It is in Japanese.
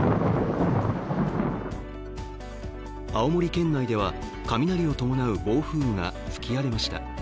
青森県内では雷を伴う暴風雨が吹き荒れました。